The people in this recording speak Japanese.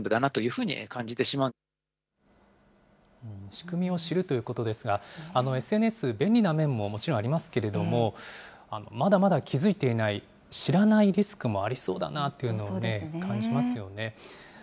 仕組みを知るということですが、ＳＮＳ、便利な面ももちろんありますけれども、まだまだ気付いていない、知らないリスクもありそうだなというのを感じますよね。